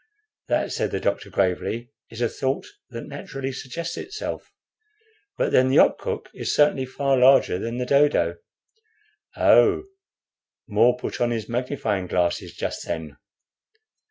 "That," said the doctor, gravely, "is a thought that naturally suggests itself; but then the opkuk is certainly far larger than the dodo." "Oh, More put on his magnifying glasses just then."